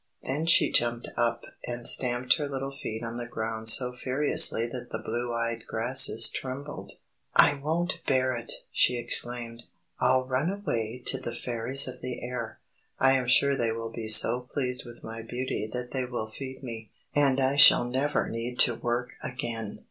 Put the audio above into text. Then she jumped up and stamped her little feet on the ground so furiously that the blue eyed grasses trembled. "I won't bear it!" she exclaimed. "I'll run away to the Fairies of the Air. I am sure they will be so pleased with my beauty that they will feed me, and I shall never need to work again!